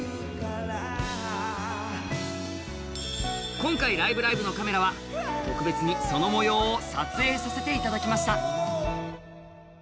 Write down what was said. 今回「ライブ！ライブ！」のカメラは特別にその模様を撮影させてもらいました。